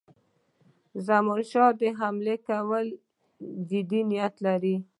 زمانشاه د حملې کولو جدي نیت لري.